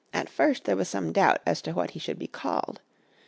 At first there was some doubt as to what he should be called.